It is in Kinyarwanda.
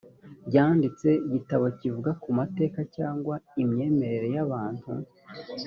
yanditse igitabo kivuga ku mateka cyangwa imyemerere y abantu.